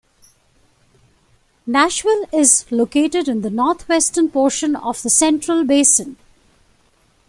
Nashville is located in the northwestern portion of the Central Basin.